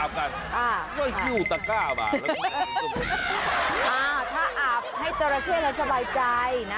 อ่าถ้าอาบให้เจรเทศแล้วสบายใจนะ